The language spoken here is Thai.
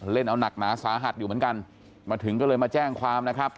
เล่นเอาหนักหนาสาหัสอยู่เหมือนกันมาถึงก็เลยมาแจ้งความนะครับ